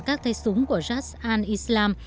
các tay súng của zion islam